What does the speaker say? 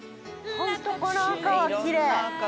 ホントこの赤はきれい。